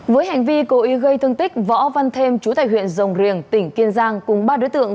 với hành vi cố ý gây thương tích võ văn thêm chú tại huyện rồng riềng tỉnh kiên giang cùng ba đối tượng